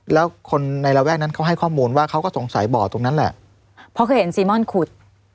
แล้วคนในระแวกนั้นเขาให้ข้อมูลว่าเขาก็สงสัยบ่อตรงนั้นแหละเพราะเคยเห็นซีม่อนขุด